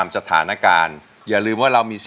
ใช่